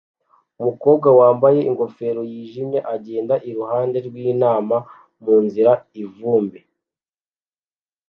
umukobwa wambaye ingofero yijimye agenda iruhande rwintama munzira ivumbi